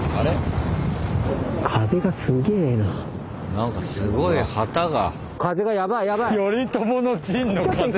何かすごい旗が。